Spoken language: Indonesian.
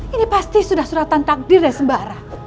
ini pasti sudah suratan takdir dan sembara